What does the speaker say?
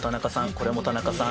これも田中さん